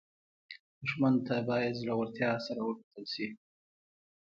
دښمن ته باید زړورتیا سره وکتل شي